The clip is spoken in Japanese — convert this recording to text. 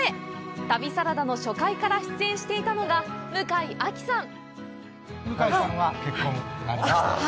「旅サラダ」の初回から出演していたのが向井亜紀さん。